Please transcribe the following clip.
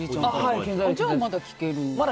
じゃあまだ聞ける。